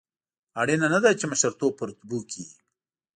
اړینه نه ده چې مشرتوب په رتبو کې وي.